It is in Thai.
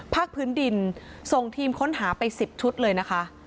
ภาคพื้นดินส่งทีมค้นหาไป๑๐ชุดเลยนะคะ